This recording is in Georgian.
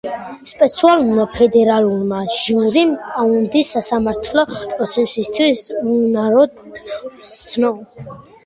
სპეციალურმა ფედერალურმა ჟიურიმ პაუნდი სასამართლო პროცესისთვის უუნაროდ სცნო.